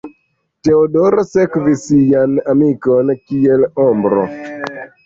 Teodoro sekvis sian amikon kiel ombro.